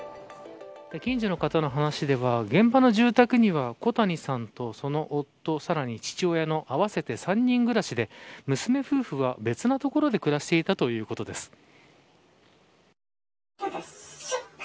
近所の方の話では現場の住宅には小谷さんとその夫さらに父親の合わせて３人暮らしで娘夫婦は、別の所で暮らしていたということです。